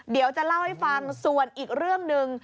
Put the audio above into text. เดี๋ยวจะเล่าให้ฟังส่วนอีกเรื่องหนึ่ง